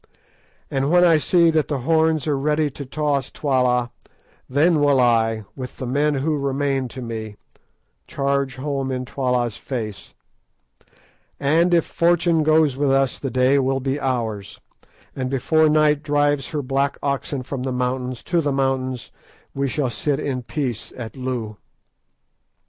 And when I see that the horns are ready to toss Twala, then will I, with the men who remain to me, charge home in Twala's face, and if fortune goes with us the day will be ours, and before Night drives her black oxen from the mountains to the mountains we shall sit in peace at Loo.